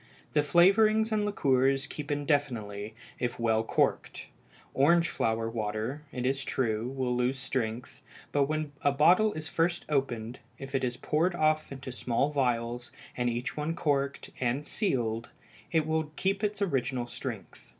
The flavorings and liqueurs keep indefinitely if well corked. Orange flower water, it is true, will lose strength, but when a bottle is first opened, if it is poured off into small vials, and each one corked and sealed, it will keep its original strength.